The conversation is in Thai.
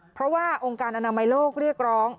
เพราะว่าองค์การอนามัยโลกเรียกร้อง